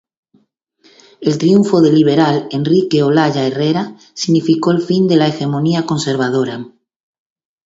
El triunfo del liberal Enrique Olaya Herrera significó el fin de la Hegemonía Conservadora.